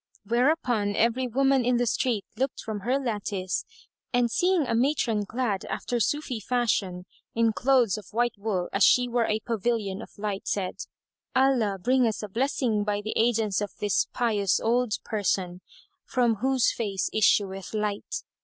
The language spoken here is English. Whereupon every woman in the street looked from her lattice and, seeing a matron clad, after Sufi fashion, in clothes of white wool, as she were a pavilion of light, said, "Allah bring us a blessing by the aidance of this pious old person, from whose face issueth light!"